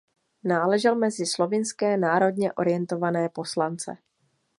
Náležel mezi slovinské národně orientované poslance.